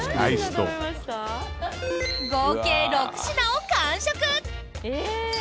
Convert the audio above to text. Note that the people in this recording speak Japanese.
合計６品を完食。